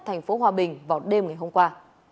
thành phố hòa bình vào đêm ngày hôm qua